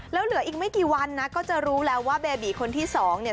แล้วเหลืออีกไม่กี่วันนะก็จะรู้แล้วว่าเบบีคนที่สองเนี่ย